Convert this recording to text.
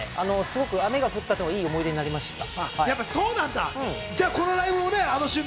雨が降ったこと、いい思い出になりました。